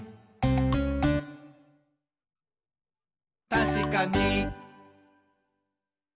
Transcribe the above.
「たしかに！」